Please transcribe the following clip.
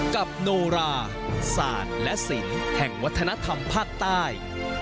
โนราศาสตร์และศิลป์แห่งวัฒนธรรมภาคใต้